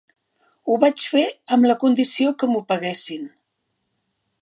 Ho vaig fer amb la condició que m'ho paguessin.